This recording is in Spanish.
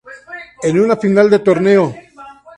En una final de torneo.